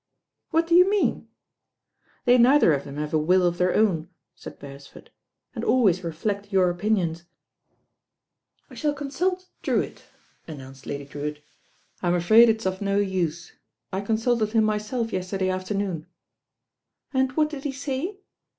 "What do you mean?" "They neither of them have a will of their own," said Beresford, "and always reflect your opinions." "I shall consult Drewitt," announced Lady Drewitt. "I'm afraid it's of no use. I consulted him my self yesterday afternoon." "And what did he say?"